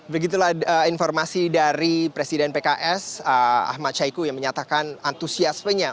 begitulah informasi dari presiden pks ahmad syahiku yang menyatakan antusiasmenya